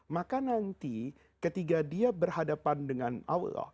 maka nanti ketika dia berhadapan dengan allah